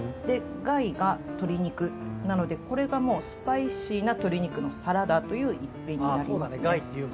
ガイが鶏肉なのでこれがもうスパイシーな鶏肉のサラダという一品になります。